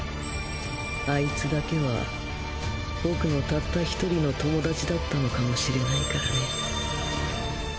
アイツだけは僕のたった１人の友達だったのかもしれないからね。